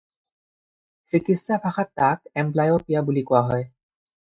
চিকিৎসাভাষাত তাক 'এমব্লায়'পিয়া' বুলি কোৱা হয়।